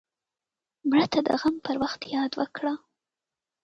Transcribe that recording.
مړه ته د غم پر وخت یاد وکړه